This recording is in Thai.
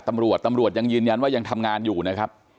ตำรวจตำรวจยังยืนยันว่ายังทำงานอยู่นะครับ